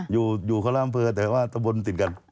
อยู่ข้างล่างเผลอแต่ว่าตะบนติดกัน